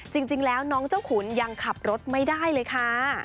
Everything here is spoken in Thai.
จริงแล้วน้องเจ้าขุนยังขับรถไม่ได้เลยค่ะ